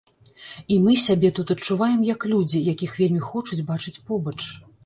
І мы сябе тут адчуваем як людзі, якіх вельмі хочуць бачыць побач.